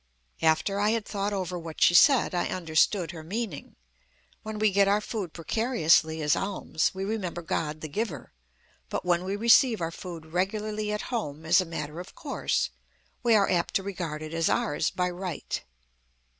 After I had thought over what she said, I understood her meaning. When we get our food precariously as alms, we remember God the giver. But when we receive our food regularly at home, as a matter of course, we are apt to regard it as ours by right.